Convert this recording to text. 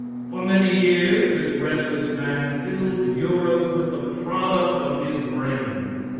For many years this restless man filled Europe with the product of his brain.